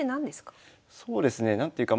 そうですね何ていうか